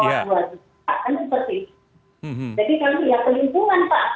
jadi kami ya pelindungan pak